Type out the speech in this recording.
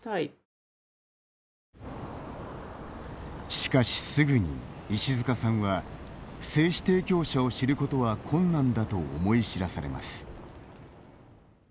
しかしすぐに石塚さんは精子提供者を知ることは困難だと思い知らされます。